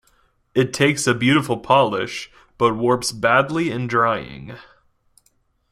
It takes a beautiful polish, but warps badly in drying.